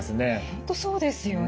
本当そうですよね。